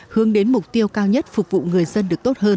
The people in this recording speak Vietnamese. hướng đến mục tiêu cao nhất phục vụ người dân được tốt hơn